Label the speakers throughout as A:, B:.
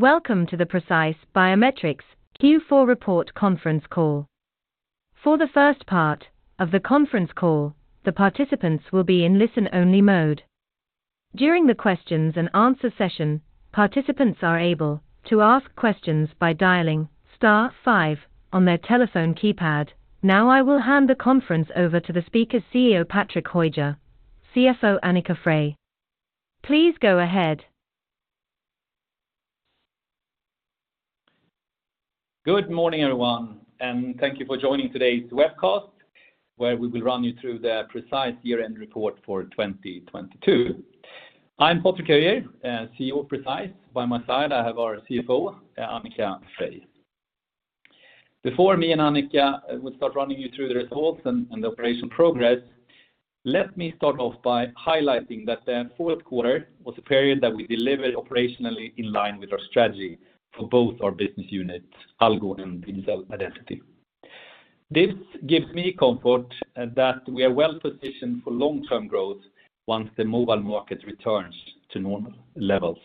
A: Welcome to the Precise Biometrics Q4 report conference call. For the first part of the conference call, the participants will be in listen-only mode. During the questions and answer session, participants are able to ask questions by dialing star five on their telephone keypad. Now I will hand the conference over to the speakers, CEO Patrick Höijer, CFO Annika Freij. Please go ahead.
B: Good morning, everyone, thank you for joining today's webcast, where we will run you through the Precise year-end report for 2022. I'm Patrick Höijer, CEO of Precise. By my side, I have our CFO, Annika Freij. Before me and Annika would start running you through the results and the operation progress, let me start off by highlighting that the fourth quarter was a period that we delivered operationally in line with our strategy for both our business units, Algo and Digital Identity. This gives me comfort that we are well-positioned for long-term growth once the mobile market returns to normal levels.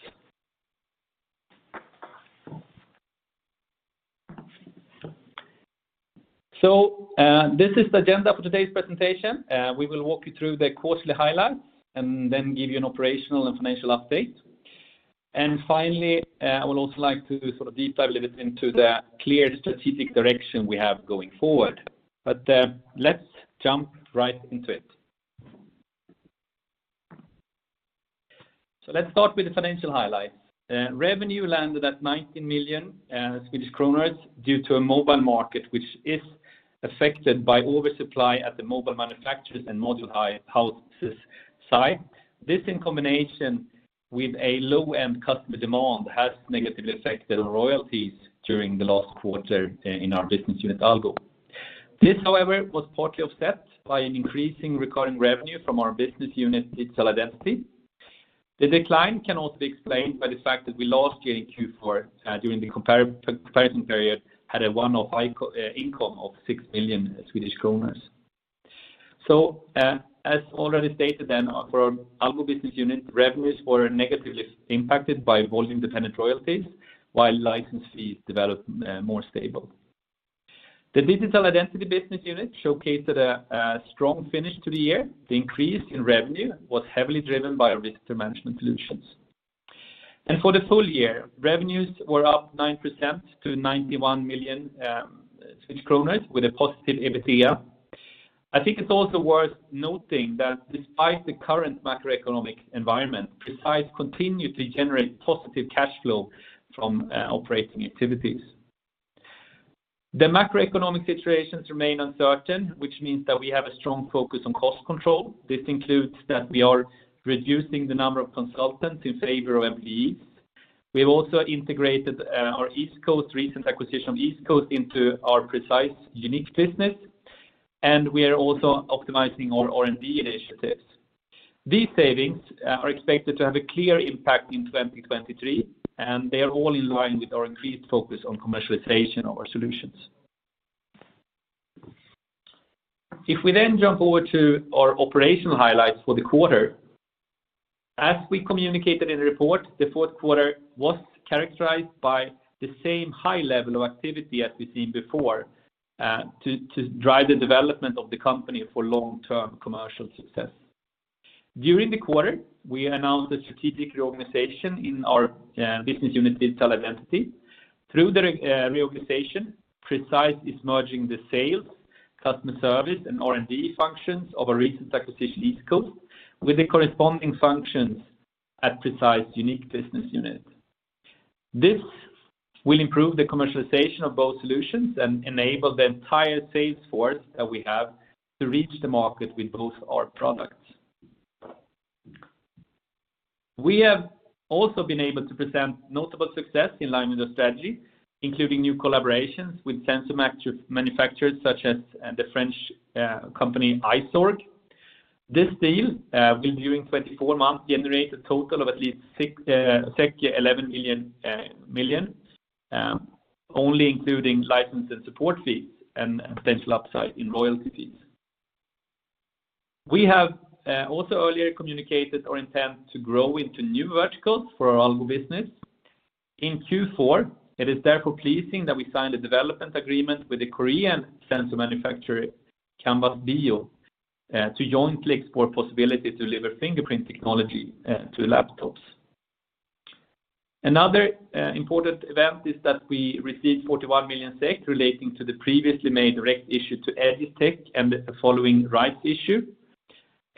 B: This is the agenda for today's presentation. We will walk you through the quarterly highlights and then give you an operational and financial update. Finally, I would also like to sort of deep dive a little bit into the clear strategic direction we have going forward. Let's jump right into it. Let's start with the financial highlights. Revenue landed at 19 million Swedish kronor due to a mobile market which is affected by oversupply at the mobile manufacturers and module houses side. This in combination with a low-end customer demand has negatively affected royalties during the last quarter in our business unit, Algo. This, however, was partly offset by an increasing recurring revenue from our business unit, Digital Identity. The decline can also be explained by the fact that we last year in Q4, during the comparable comparison period, had a one-off income of 6 million Swedish kronor. As already stated, for our Algo business unit, revenues were negatively impacted by volume-dependent royalties, while license fees developed more stable. The Digital Identity business unit showcased a strong finish to the year. The increase in revenue was heavily driven by our risk management solutions. For the full year, revenues were up 9% to 91 million kronor with a positive EBITDA. I think it's also worth noting that despite the current macroeconomic environment, Precise continue to generate positive cash flow from operating activities. The macroeconomic situations remain uncertain, which means that we have a strong focus on cost control. This includes that we are reducing the number of consultants in favor of employees. We have also integrated our EastCoast, recent acquisition of EastCoast into our Precise YOUNiQ business, and we are also optimizing our R&D initiatives. These savings are expected to have a clear impact in 2023. They are all in line with our increased focus on commercialization of our solutions. We then jump over to our operational highlights for the quarter. As we communicated in the report, the fourth quarter was characterized by the same high level of activity as we've seen before to drive the development of the company for long-term commercial success. During the quarter, we announced a strategic reorganization in our business unit, Digital Identity. Through the reorganization, Precise is merging the sales, customer service, and R&D functions of our recent acquisition, EastCoast, with the corresponding functions at Precise YOUNiQ business unit. This will improve the commercialization of both solutions and enable the entire sales force that we have to reach the market with both our products. We have also been able to present notable success in line with the strategy, including new collaborations with sensor manufacturers such as the French company Isorg. This deal will during 24 months generate a total of at least 11 million only including license and support fees and potential upside in royalty fees. We have also earlier communicated our intent to grow into new verticals for our Algo business. In Q4, it is therefore pleasing that we signed a development agreement with the Korean sensor manufacturer, CanvasBio, to jointly explore possibility to deliver fingerprint technology to laptops. Another important event is that we received 41 million SEK relating to the previously made direct issue to EgisTec and the following rights issue.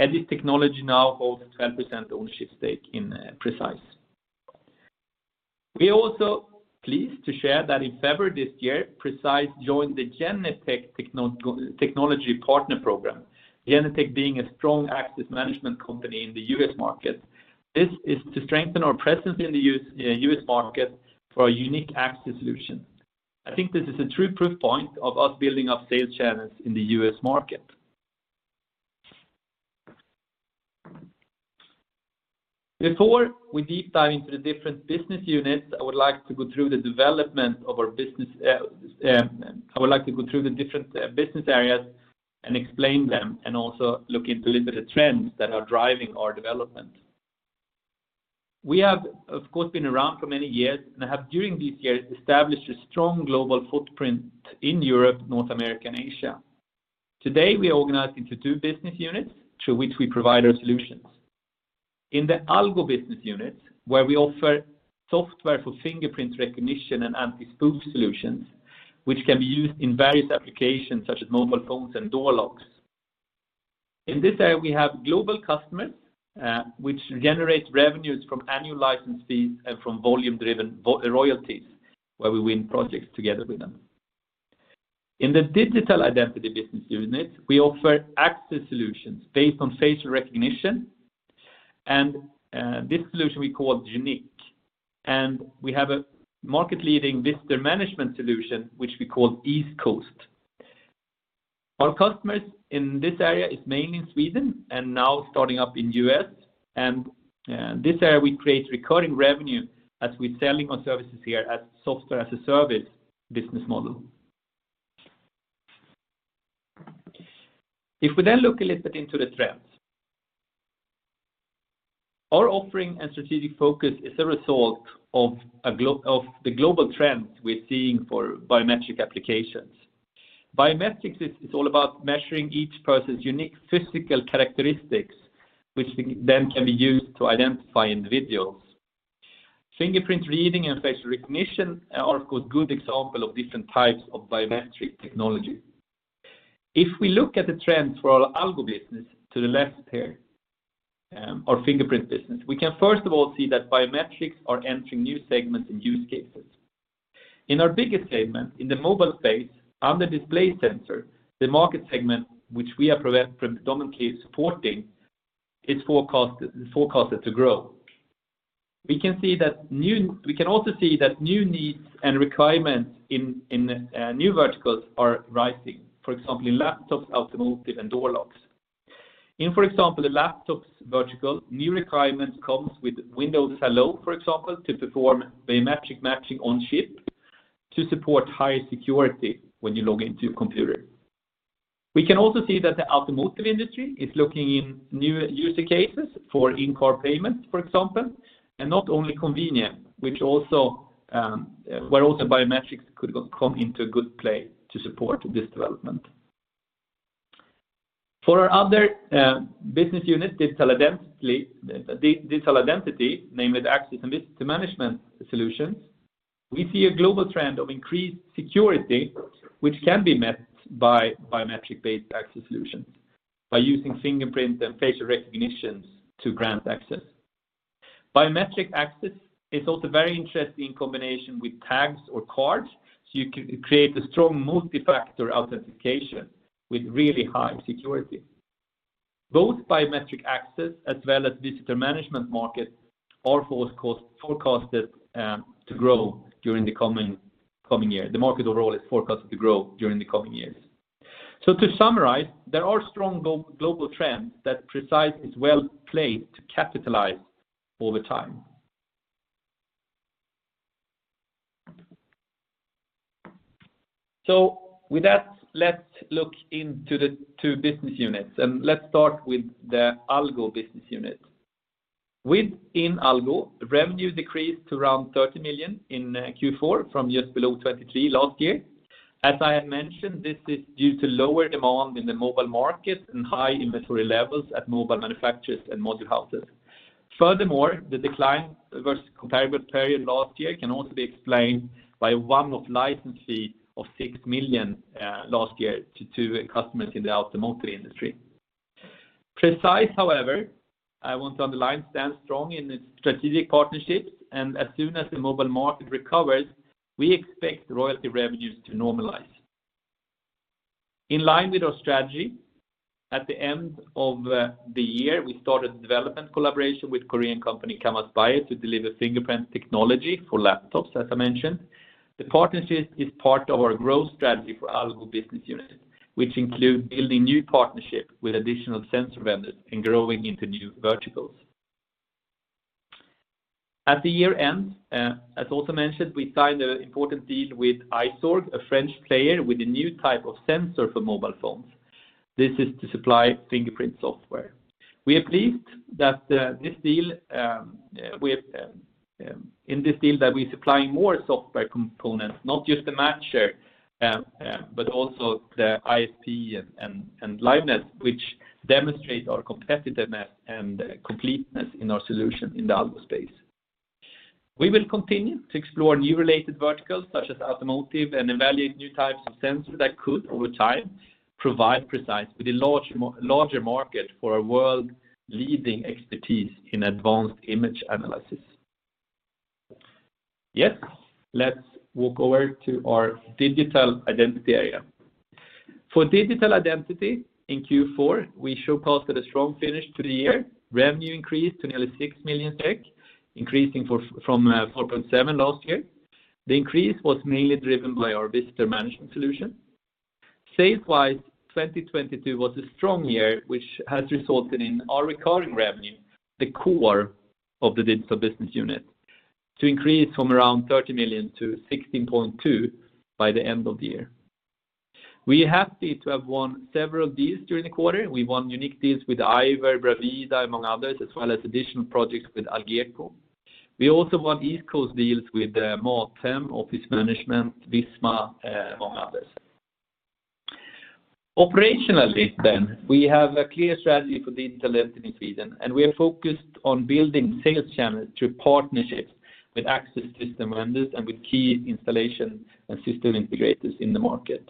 B: Egis Technology now holds 12% ownership stake in Precise. We are also pleased to share that in February this year, Precise joined the Genetec Technology Partner Program. Genetec being a strong access management company in the U.S. market. This is to strengthen our presence in the U.S. market for our YOUNiQ access solution. I think this is a true proof point of us building up sales channels in the U.S. market. Before we deep dive into the different business units, I would like to go through the different business areas and explain them, and also look into a little bit of trends that are driving our development. We have, of course, been around for many years, and have, during these years, established a strong global footprint in Europe, North America, and Asia. Today, we are organized into two business units through which we provide our solutions. In the Algo business unit, where we offer software for fingerprint recognition and anti-spoofing solutions, which can be used in various applications such as mobile phones and door locks. In this area, we have global customers, which generate revenues from annual license fees and from volume-driven royalties, where we win projects together with them. In the Digital Identity business unit, we offer access solutions based on facial recognition, and this solution we call YOUNiQ. We have a market-leading visitor management solution, which we call EastCoast. Our customers in this area is mainly in Sweden and now starting up in the U.S., and this area we create recurring revenue as we're selling our services here as a software as a service business model. If we then look a little bit into the trends. Our offering and strategic focus is of the global trends we're seeing for biometric applications. Biometrics is all about measuring each person's unique physical characteristics, which then can be used to identify individuals. Fingerprint reading and facial recognition are of course, good example of different types of biometric technology. If we look at the trends for our Algo business to the left here, our fingerprint business, we can first of all see that biometrics are entering new segments and use cases. In our biggest segment, in the mobile space, on the display sensor, the market segment which we are predominantly supporting, it's forecasted to grow. We can also see that new needs and requirements in new verticals are rising, for example, in laptops, automotive, and door locks. In, for example, the laptops vertical, new requirements comes with Windows Hello, for example, to perform biometric matching on-chip to support higher security when you log into your computer. We can also see that the automotive industry is looking in new user cases for in-car payments, for example, and not only convenient, which also, where also biometrics could come into good play to support this development. For our other business unit, Digital Identity, namely the access and visitor management solutions, we see a global trend of increased security, which can be met by biometric-based access solutions by using fingerprint and facial recognitions to grant access. Biometric access is also very interesting in combination with tags or cards, so you can create a strong multi-factor authentication with really high security. Both biometric access as well as visitor management markets are forecasted to grow during the coming year. The market overall is forecasted to grow during the coming years. To summarize, there are strong global trends that Precise is well-placed to capitalize over time. With that, let's look into the two business units, and let's start with the Algo business unit. Within Algo, revenue decreased to around 30 million in Q4 from just below 23 million last year. As I had mentioned, this is due to lower demand in the mobile market and high inventory levels at mobile manufacturers and module houses. Furthermore, the decline versus comparable period last year can also be explained by one-off license fee of 6 million last year to two customers in the automotive industry. Precise, however, I want to underline, stands strong in its strategic partnerships, and as soon as the mobile market recovers, we expect royalty revenues to normalize. In line with our strategy, at the end of the year, we started development collaboration with Korean company CanvasBio to deliver fingerprint technology for laptops, as I mentioned. The partnership is part of our growth strategy for Algo business unit, which include building new partnership with additional sensor vendors and growing into new verticals. At the year-end, as also mentioned, we signed an important deal with Isorg, a French player with a new type of sensor for mobile phones. This is to supply fingerprint software. We are pleased that, this deal, we have, in this deal that we're supplying more software components, not just the matcher, but also the ISP and liveness, which demonstrates our competitiveness and completeness in our solution in the Algo space. We will continue to explore new related verticals such as automotive, and evaluate new types of sensors that could, over time, provide Precise with a larger market for our world-leading expertise in advanced image analysis. Let's walk over to our Digital Identity area. For Digital Identity in Q4, we showcased a strong finish to the year. Revenue increased to nearly 6 million, increasing from 4.7 million last year. The increase was mainly driven by our visitor management solution. Sales-wise, 2022 was a strong year, which has resulted in our recurring revenue, the core of the Digital Identity business unit, to increase from around 30 million- 16.2 million by the end of the year. We are happy to have won several deals during the quarter. We won YOUNiQ deals with Iver, Bravida, among others, as well as additional projects with Algeco. We also won EastCoast Solutions deals with Mathem, Office Management, Visma, among others. Operationally, we have a clear strategy for Digital Identity Sweden. We are focused on building sales channels through partnerships with access system vendors and with key installation and system integrators in the market.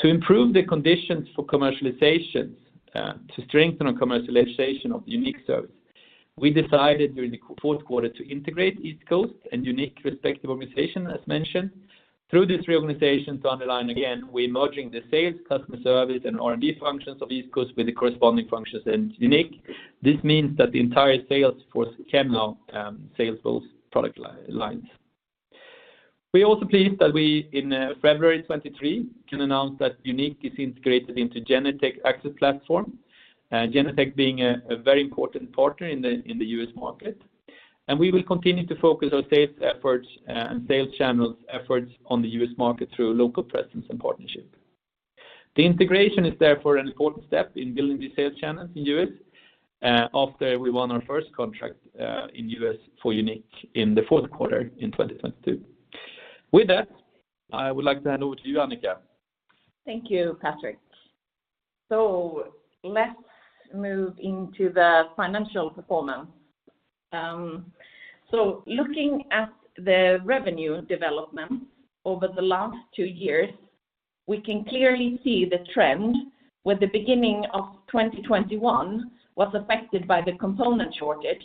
B: To improve the conditions for commercialization, to strengthen our commercialization of YOUNiQ service, we decided during the fourth quarter to integrate EastCoast Solutions and YOUNiQ respective organization as mentioned. Through this reorganization, to underline again, we're merging the sales, customer service, and R&D functions of EastCoast Solutions with the corresponding functions in YOUNiQ. This means that the entire sales force can now sell both product lines. We're also pleased that we in February 2023 can announce that YOUNiQ is integrated into Genetec access platform, Genetec being a very important partner in the U.S. market. We will continue to focus our sales efforts and sales channels efforts on the U.S. market through local presence and partnership. The integration is therefore an important step in building the sales channels in U.S. after we won our first contract in U.S. for YOUNiQ in the fourth quarter in 2022. With that, I would like to hand over to you, Annika.
C: Thank you, Patrick. Let's move into the financial performance. Looking at the revenue development over the last two years, we can clearly see the trend where the beginning of 2021 was affected by the component shortage,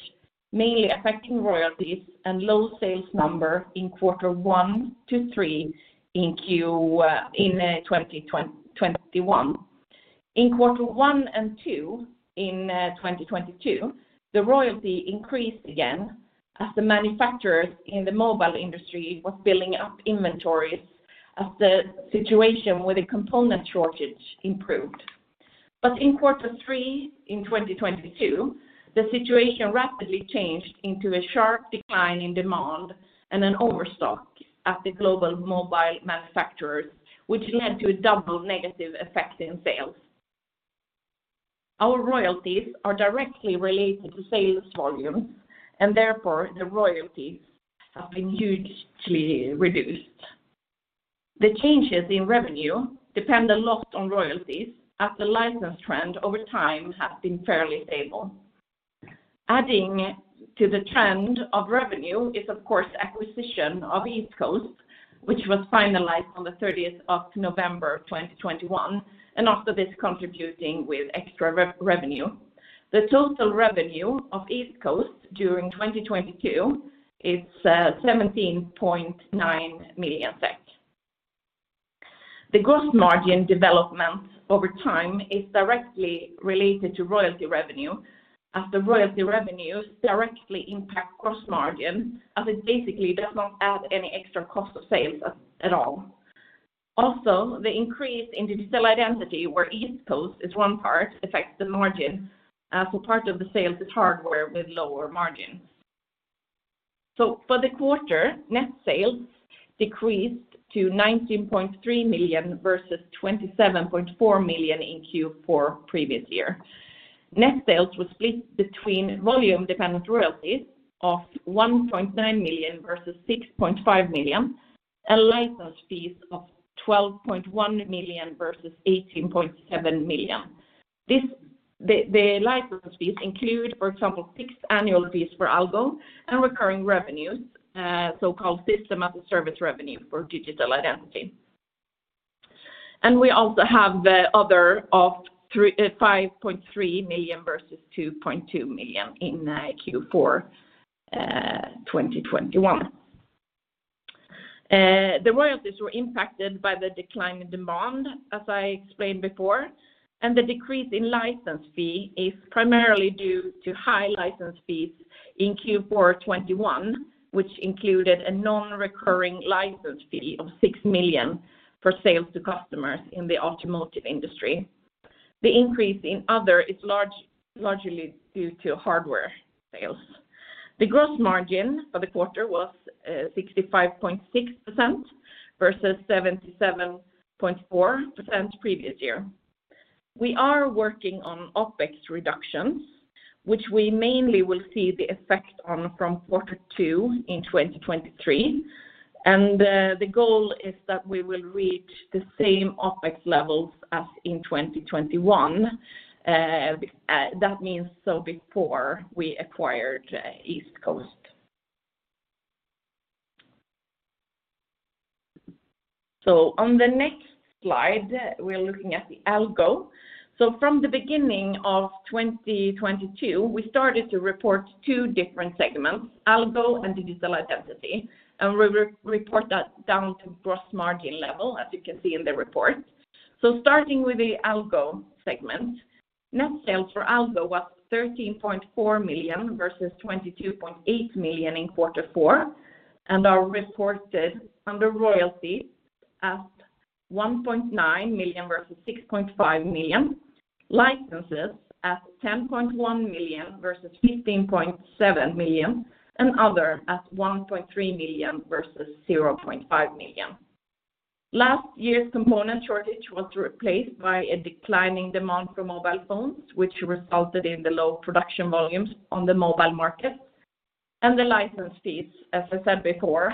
C: mainly affecting royalties and low sales number in Q1 to Q3 in 2021. In Q1 and Q2 in 2022, the royalty increased again as the manufacturers in the mobile industry was building up inventories as the situation with the component shortage improved. In Q3 in 2022, the situation rapidly changed into a sharp decline in demand and an overstock at the global mobile manufacturers, which led to a double negative effect in sales. Our royalties are directly related to sales volume, therefore the royalties have been hugely reduced. The changes in revenue depend a lot on royalties as the license trend over time has been fairly stable. Adding to the trend of revenue is of course acquisition of EastCoast, which was finalized on the 30th of November 2021, and after this contributing with extra revenue. The total revenue of EastCoast during 2022 is 17.9 million SEK. The gross margin development over time is directly related to royalty revenue, as the royalty revenues directly impact gross margin, as it basically does not add any extra cost of sales at all. Also, the increase in Digital Identity where EastCoast is one part affects the margin, so part of the sales is hardware with lower margin. For the quarter, net sales decreased to 19.3 million versus 27.4 million in Q4 previous year. Net sales was split between volume dependent royalties of 1.9 million versus 6.5 million, and license fees of 12.1 million versus 18.7 million. The license fees include, for example, fixed annual fees for Algo and recurring revenues, so-called System-as-a-Service revenue for Digital Identity. We also have the other of 5.3 million versus 2.2 million in Q4 2021. The royalties were impacted by the decline in demand, as I explained before. The decrease in license fee is primarily due to high license fees in Q4 2021, which included a non-recurring license fee of 6 million for sales to customers in the automotive industry. The increase in other is largely due to hardware sales. The gross margin for the quarter was 65.6% versus 77.4% previous year. We are working on OpEx reductions, which we mainly will see the effect on from Q2 in 2023. The goal is that we will reach the same OpEx levels as in 2021. That means so before we acquired EastCoast. On the next slide, we're looking at the Algo. From the beginning of 2022, we started to report two different segments, Algo and Digital Identity. We re-report that down to gross margin level, as you can see in the report. So starting with the Algo segment. Net sales for Algo was 13.4 million versus 22.8 million in quarter four, are reported under royalty at 1.9 million versus 6.5 million, licenses at 10.1 million versus 15.7 million, and other at 1.3 million versus 0.5 million. Last year's component shortage was replaced by a declining demand for mobile phones, which resulted in the low production volumes on the mobile market. The license fees, as I said before,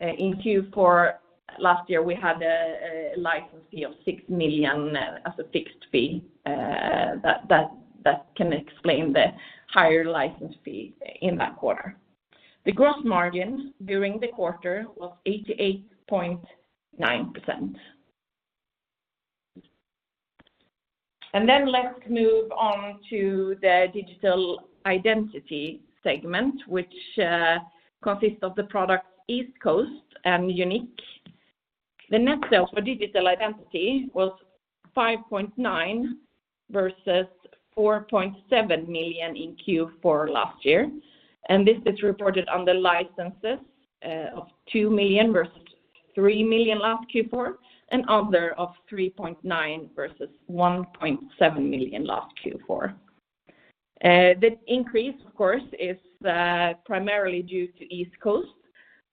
C: in Q4 last year, we had a license fee of 6 million as a fixed fee, that can explain the higher license fee in that quarter. The gross margin during the quarter was 88.9%. Let's move on to the Digital Identity segment, which consists of the products EastCoast and YOUNiQ. The net sales for Digital Identity was 5.9 million versus 4.7 million in Q4 last year. This is reported under licenses of 2 million versus 3 million last Q4, and other of 3.9 million versus 1.7 million last Q4. The increase, of course, is primarily due to EastCoast Solutions,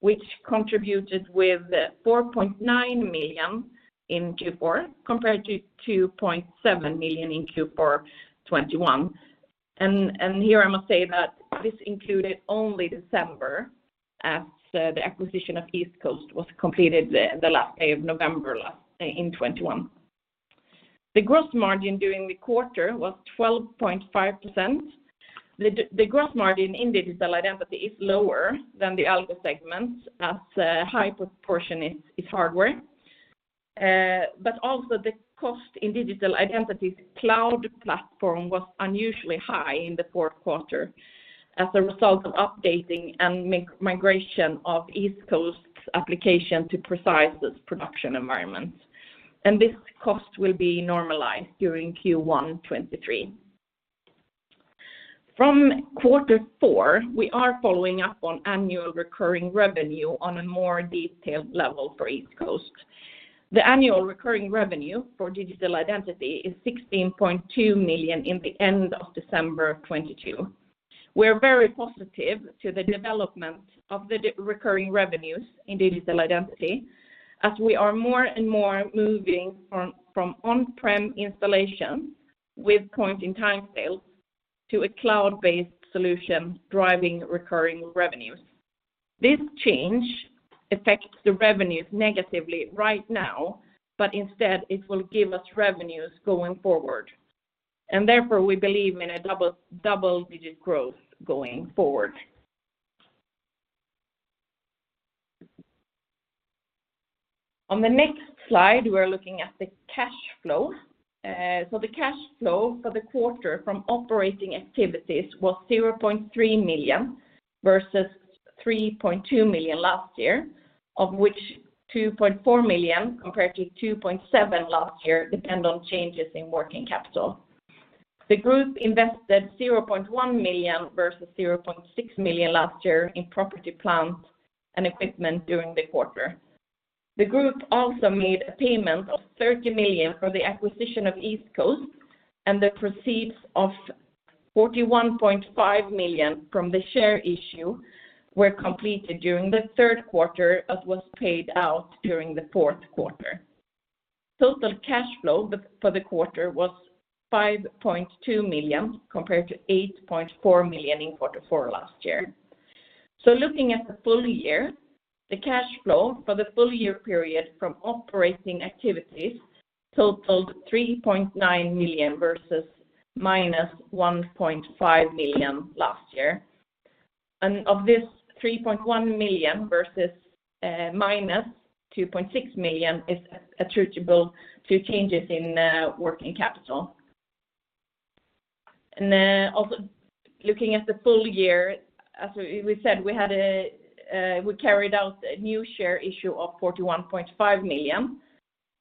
C: which contributed with 4.9 million in Q4, compared - 2.7 million in Q4 2021. Here I must say that this included only December, as the acquisition of EastCoast Solutions was completed the last day of November in 2021. The gross margin during the quarter was 12.5%. The gross margin in Digital Identity is lower than the Algo segment as a high proportion is hardware. Also the cost in Digital Identity's cloud platform was unusually high in the fourth quarter as a result of updating and migration of EastCoast Solutions' application to Precise Biometrics' production environment. This cost will be normalized during Q1 2023. From quarter four, we are following up on Annual Recurring Revenue on a more detailed level for EastCoast Solutions. The Annual Recurring Revenue for Digital Identity is 16.2 million in the end of December 2022. We're very positive to the development of the recurring revenues in Digital Identity, as we are more and more moving from on-prem installation with point-in-time sales to a cloud-based solution driving recurring revenues. This change affects the revenues negatively right now, but instead it will give us revenues going forward. Therefore, we believe in a double-digit growth going forward. On the next slide, we're looking at the cash flow. The cash flow for the quarter from operating activities was 0.3 million, versus 3.2 million last year, of which 2.4 million, compared -2.7 million last year, depend on changes in working capital. The group invested 0.1 million versus 0.6 million last year in property, plant, and equipment during the quarter. The group also made a payment of 30 million for the acquisition of EastCoast, and the proceeds of 41.5 million from the share issue were completed during the third quarter and was paid out during the fourth quarter. Total cash flow for the quarter was 5.2 million, compared - 8.4 million in quarter four last year. Looking at the full year, the cash flow for the full year period from operating activities totaled 3.9 million versus minus 1.5 million last year. Of this, 3.1 million versus minus 2.6 million is attributable to changes in working capital. Also looking at the full year, as we said we had a, we carried out a new share issue of 41.5 million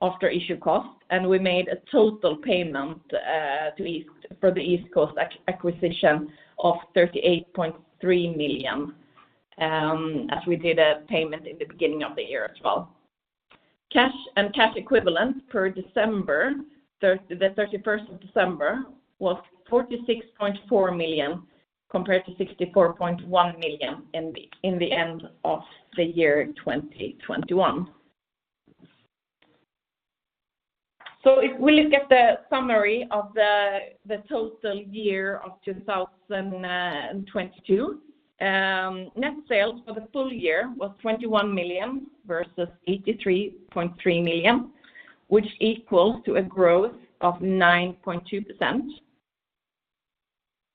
C: after issue cost, and we made a total payment for the EastCoast acquisition of 38.3 million as we did a payment in the beginning of the year as well. Cash and cash equivalent per December, the 31st of December, was 46.4 million, compared - 64.1 million in the end of the year 2021. If we look at the summary of the total year of 2022, net sales for the full year was 21 million versus 83.3 million, which equals to a growth of 9.2%.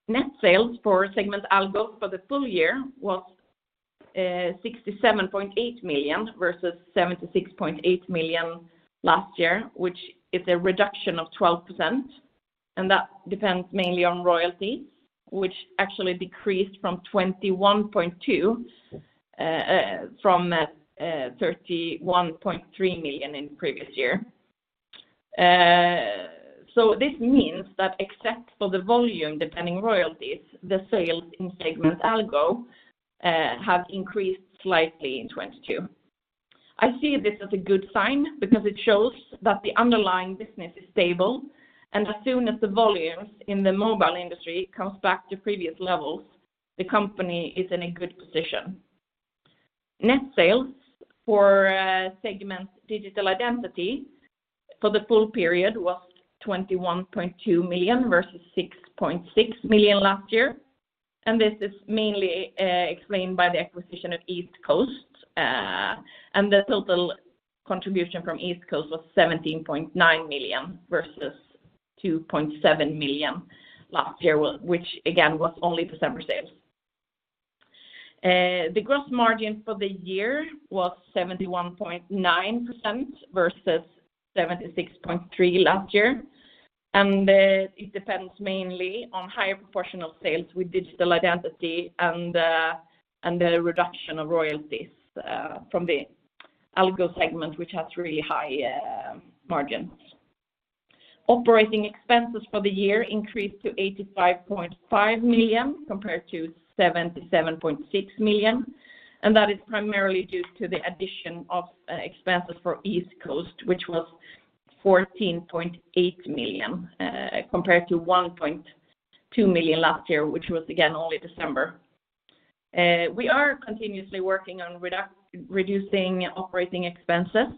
C: Net sales for segment Algo for the full year was 67.8 million versus 76.8 million last year, which is a reduction of 12%. That depends mainly on royalties, which actually decreased from 31.3 million in previous year. This means that except for the volume depending royalties, the sales in segment Algo have increased slightly in 22. I see this as a good sign because it shows that the underlying business is stable, as soon as the volumes in the mobile industry comes back to previous levels, the company is in a good position. Net sales for segment Digital Identity for the full period was 21.2 million versus 6.6 million last year. This is mainly explained by the acquisition of EastCoast Solutions, and the total contribution from EastCoast Solutions was 17.9 million versus 2.7 million last year, which again, was only December sales. The gross margin for the year was 71.9% versus 76.3% last year. It depends mainly on higher proportional sales with Digital Identity and the reduction of royalties from the Algo segment, which has really high margins. Operating expenses for the year increased to 85.5 million compared to 77.6 million. That is primarily due to the addition of expenses for EastCoast, which was 14.8 million compared to 1.2 million last year, which was again only December. We are continuously working on reducing operating expenses.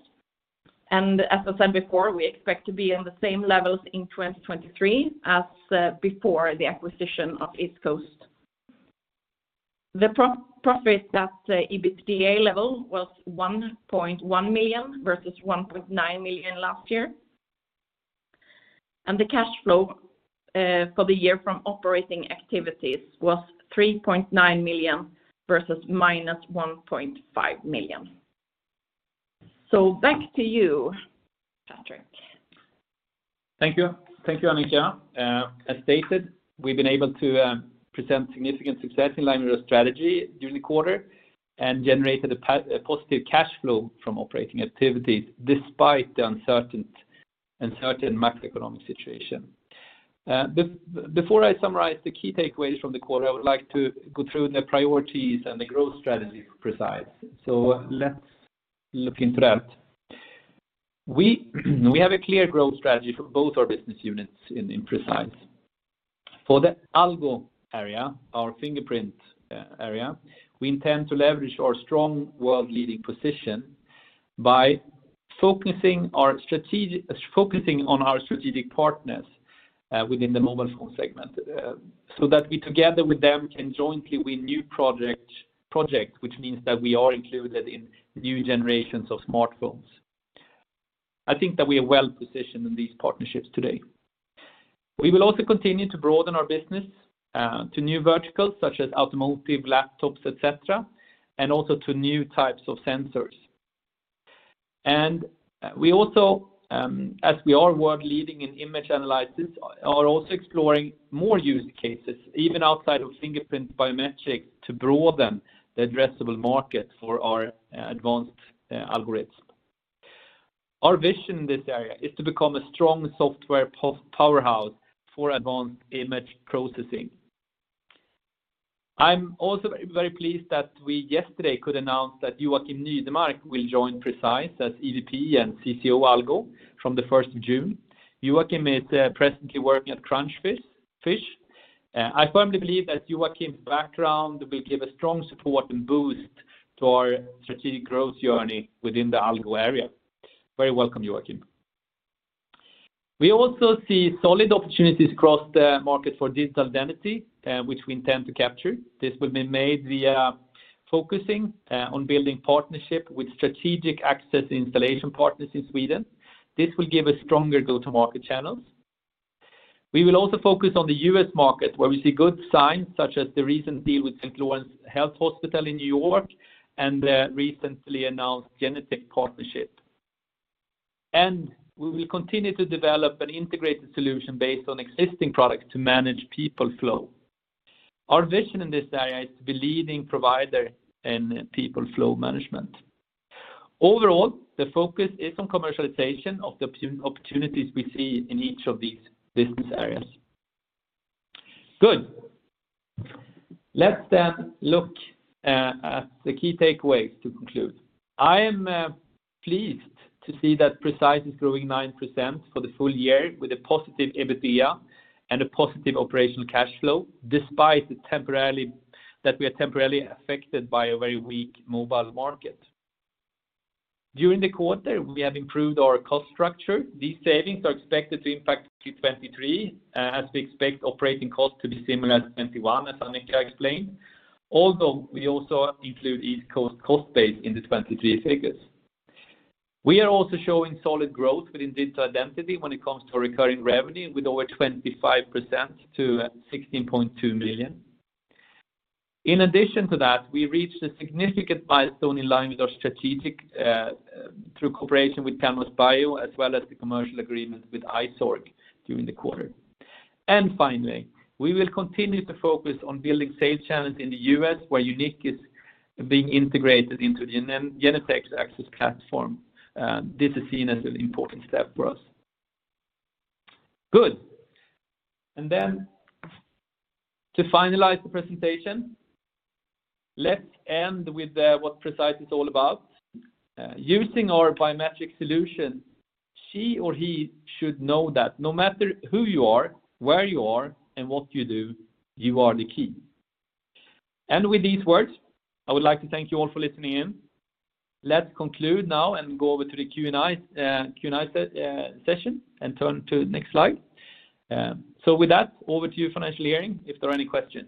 C: As I said before, we expect to be in the same levels in 2023 as before the acquisition of EastCoast. The pro-profit at the EBITDA level was 1.1 million versus 1.9 million last year. The cash flow for the year from operating activities was 3.9 million versus -1.5 million. Back to you, Patrick.
B: Thank you. Thank you, Annika. As stated, we've been able to present significant success in line with our strategy during the quarter and generated a positive cash flow from operating activities despite the uncertain macroeconomic situation. Before I summarize the key takeaways from the quarter, I would like to go through the priorities and the growth strategy for Precise. Let's look into that. We have a clear growth strategy for both our business units in Precise. For the Algo area, our fingerprint area, we intend to leverage our strong world-leading position by focusing on our strategic partners within the mobile phone segment, so that we together with them can jointly win new project, which means that we are included in new generations of smartphones. I think that we are well-positioned in these partnerships today. We will also continue to broaden our business to new verticals such as automotive, laptops, et cetera, also to new types of sensors. We also, as we are world leading in image analysis, are also exploring more use cases, even outside of fingerprint biometrics, to broaden the addressable market for our advanced algorithm. Our vision in this area is to become a strong software powerhouse for advanced image processing. I'm also very pleased that we yesterday could announce that Joakim Nydemark will join Precise as EVP and CCO Algo from the 1st of June. Joakim is presently working at Crunchfish. I firmly believe that Joakim's background will give a strong support and boost to our strategic growth journey within the Algo area. Very welcome, Joakim. We also see solid opportunities across the market for Digital Identity, which we intend to capture. This will be made via focusing on building partnership with strategic access installation partners in Sweden. This will give us stronger go-to-market channels. We will also focus on the U.S. market, where we see good signs, such as the recent deal with St. Lawrence Health in N.Y. and the recently announced Genetec partnership. We will continue to develop an integrated solution based on existing products to manage people flow. Our vision in this area is to be leading provider in people flow management. Overall, the focus is on commercialization of the opportunities we see in each of these business areas. Good. Let's look at the key takeaways to conclude. I am pleased to see that Precise is growing 9% for the full year with a positive EBITDA and a positive operational cash flow, despite that we are temporarily affected by a very weak mobile market. During the quarter, we have improved our cost structure. These savings are expected to impact Q23, as we expect operating costs to be similar to 2021, as Annika explained. We also include EastCoast Solutions cost base in the 2023 figures. We are also showing solid growth within Digital Identity when it comes to recurring revenue with over 25% -16.2 million. In addition to that, we reached a significant milestone in line with our strategic, through cooperation with CanvasBio, as well as the commercial agreement with Isorg during the quarter. We will continue to focus on building sales channels in the U.S., where YOUNiQ is being integrated into Genetec's access platform. This is seen as an important step for us. Good. To finalize the presentation, let's end with what Precise is all about. Using our biometric solution, she or he should know that no matter who you are, where you are, and what you do, you are the key. I would like to thank you all for listening in. Let's conclude now and go over to the Q&A session and turn to the next slide. Over to you, Financial Hearings, if there are any questions.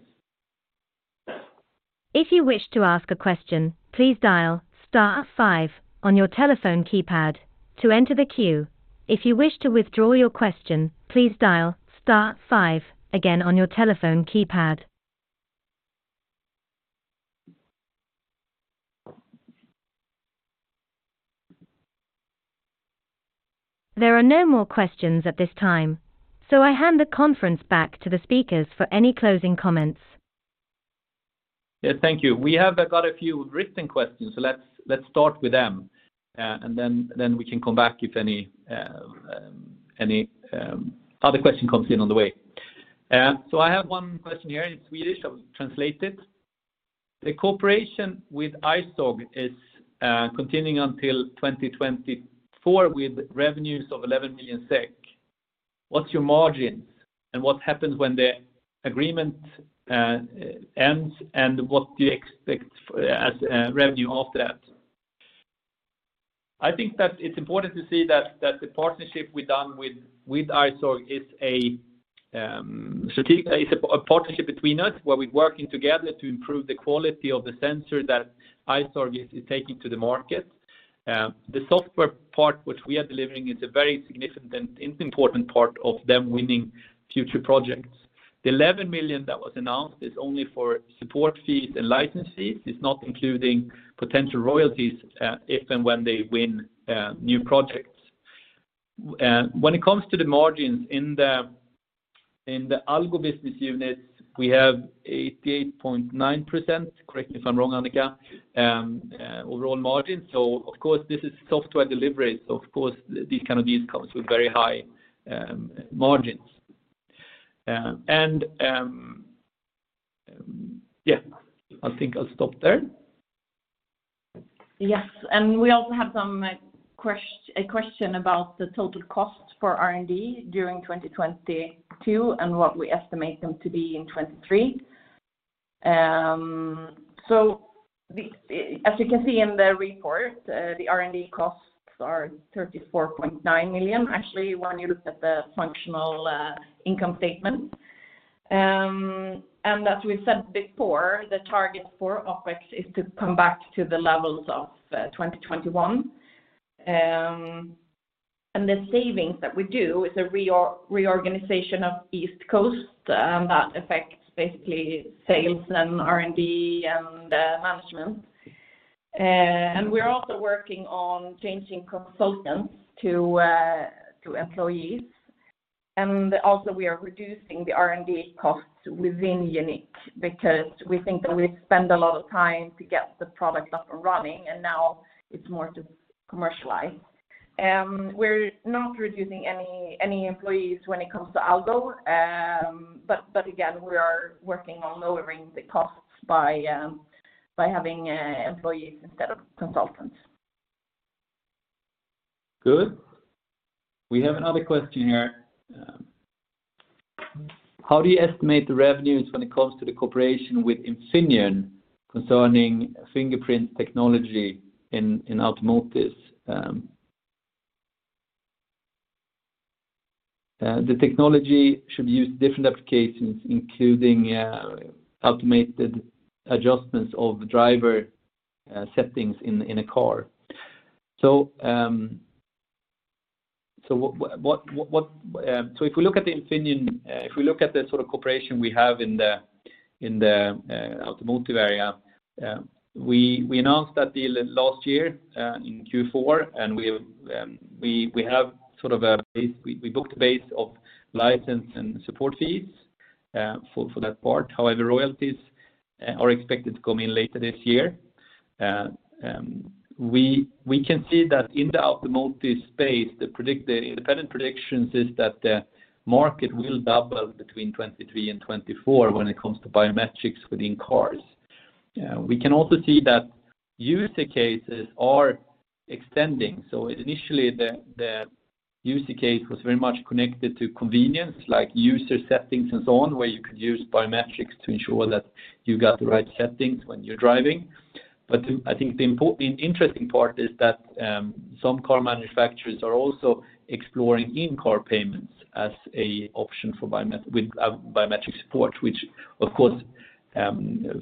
A: If you wish to ask a question, please dial star five on your telephone keypad to enter the queue. If you wish to withdraw your question, please dial star five again on your telephone keypad. There are no more questions at this time, I hand the conference back to the speakers for any closing comments.
B: Yes, thank you. We have got a few written questions. Let's start with them, and then we can come back if any other question comes in on the way. I have one question here in Swedish. I will translate it. The cooperation with Isorg is continuing until 2024 with revenues of 11 million SEK. What's your margin, and what happens when the agreement ends, and what do you expect as revenue after that? I think that it's important to see that the partnership we done with Isorg is a strategic partnership between us, where we're working together to improve the quality of the sensor that Isorg is taking to the market. The software part which we are delivering is a very significant and important part of them winning future projects. The 11 million that was announced is only for support fees and license fees. It's not including potential royalties, if and when they win new projects. When it comes to the margins in the Algo business unit, we have 88.9%. Correct me if I'm wrong, Annika, overall margin. Of course, this is software delivery. Of course, these kind of deals comes with very high margins. Yeah, I think I'll stop there.
C: Yes. We also have a question about the total cost for R&D during 2022 and what we estimate them to be in 2023. As you can see in the report, the R&D costs are 34.9 million, actually, when you look at the functional income statement. As we said before, the target for OpEx is to come back to the levels of 2021. The savings that we do is a reorganization of EastCoast Solutions that affects basically sales and R&D and management. We're also working on changing consultants to employees. We are also reducing the R&D costs within YOUNiQ because we think that we spend a lot of time to get the product up and running, and now it's more to commercialize. We're not reducing any employees when it comes to Algo. Again, we are working on lowering the costs by having employees instead of consultants.
B: Good. We have another question here. How do you estimate the revenues when it comes to the cooperation with Infineon concerning fingerprint technology in automotives? The technology should use different applications, including automated adjustments of driver settings in a car. If we look at Infineon, if we look at the sort of cooperation we have in the automotive area, we announced that deal last year, in Q4, and we have sort of a base, we booked a base of license and support fees for that part. However, royalties are expected to come in later this year. We can see that in the automotive space, the independent predictions is that the market will double between 2023 and 2024 when it comes to biometrics within cars. We can also see that user cases are extending. Initially, the user case was very much connected to convenience, like user settings and so on, where you could use biometrics to ensure that you got the right settings when you're driving. I think the interesting part is that some car manufacturers are also exploring in-car payments as a option for with biometric support, which of course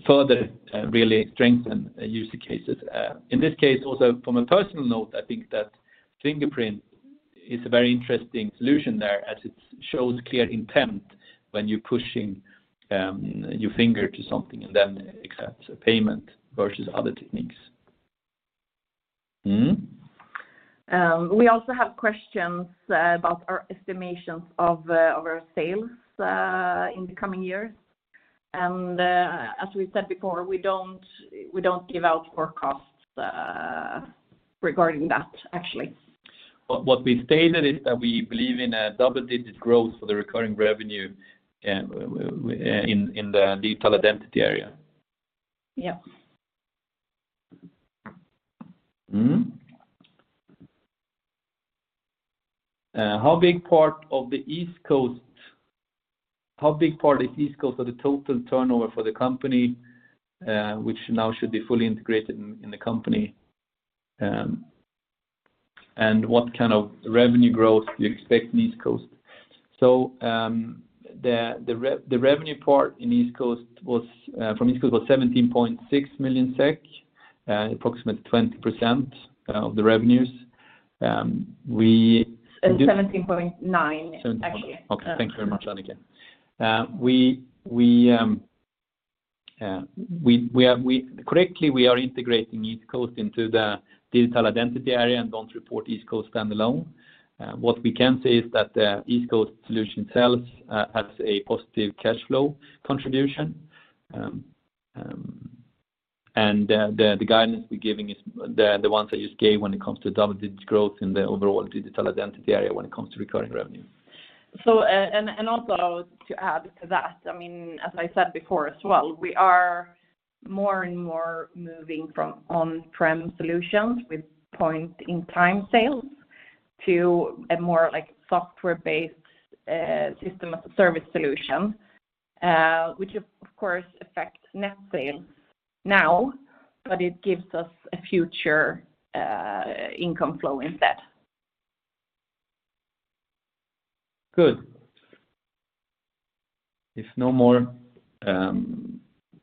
B: further really strengthen user cases. In this case, also from a personal note, I think that fingerprint. It's a very interesting solution there as it shows clear intent when you're pushing, your finger to something and then accepts a payment versus other techniques.
C: We also have questions about our estimations of our sales in the coming years. As we said before, we don't give out forecast regarding that, actually.
B: What we stated is that we believe in a double-digit growth for the recurring revenue, in the Digital Identity area.
C: Yeah.
B: How big part is EastCoast Solutions of the total turnover for the company, which now should be fully integrated in the company? What kind of revenue growth do you expect in EastCoast Solutions? The revenue part in EastCoast Solutions was from EastCoast Solutions was 17.6 million SEK, approximately 20% of the revenues.
C: 17.9, actually.
B: Okay. Thanks very much, Annika. We are correctly, we are integrating EastCoast Solutions into the Digital Identity area and don't report EastCoast Solutions standalone. What we can say is that EastCoast Solutions solution itself has a positive cash flow contribution. The guidance we're giving is the ones that you gave when it comes to double-digit growth in the overall Digital Identity area when it comes to recurring revenue.
C: Also to add to that, I mean, as I said before as well, we are more and more moving from on-prem solutions with point-in-time sales to a more, like, software-based, system service solution, which, of course, affects net sales now, but it gives us a future, income flow instead.
B: Good. If no more,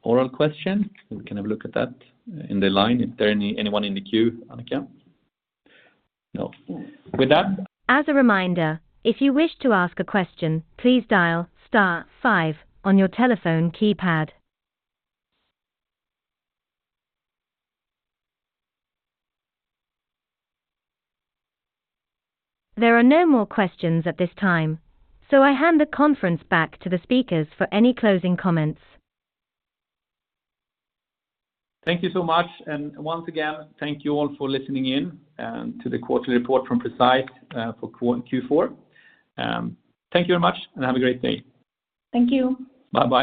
B: oral question, we can have a look at that in the line, if there anyone in the queue, Annika. No.
C: No.
B: With that.
A: As a reminder, if you wish to ask a question, please dial star five on your telephone keypad. There are no more questions at this time. I hand the conference back to the speakers for any closing comments.
B: Thank you so much. Once again, thank you all for listening in, to the quarterly report from Precise, for Q4. Thank you very much. Have a great day.
C: Thank you.
B: Bye-bye.